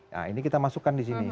nah ini kita masukkan di sini